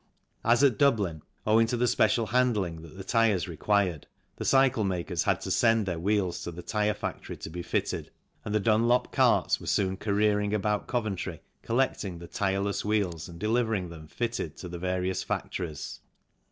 As at Dublin, owing to the special handling that the tyres required, the cycle makers had to send their wheels to the tyre factory to be fitted, and the Dunlop carts were soon careering about Coventry collecting the tyreless wheels and delivering them, fitted, to the various factories.